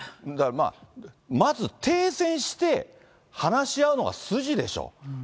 だからまず停戦して話し合うのが筋でしょ？